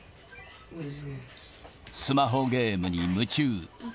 スマホゲームに夢中。